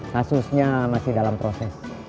kasusnya masih dalam proses